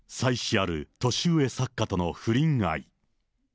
ある年上作家との不倫愛。